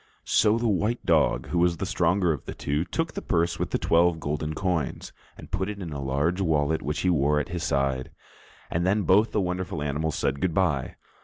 So the white dog, who was the stronger of the two, took the purse with the twelve golden coins, and put it in a large wallet which he wore at his side, and then both the wonderful animals said good bye.